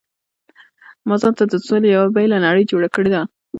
ما ځانته د سولې یو بېله نړۍ جوړه کړې وه.